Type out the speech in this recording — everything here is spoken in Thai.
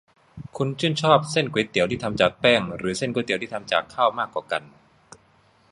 คุณชื่นชอบเส้นก๋วยเตี๋ยวที่ทำจากแป้งหรือเส้นก๋วยเตี๋ยวที่ทำจากข้าวมากกว่ากัน ?